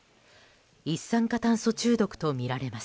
一酸化炭素中毒とみられます。